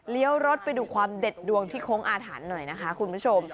รถไปดูความเด็ดดวงที่โค้งอาถรรพ์หน่อยนะคะคุณผู้ชม